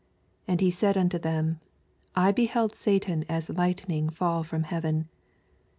18 And he said unto them, I beheld Batan as li^htnin^ fall from heaven.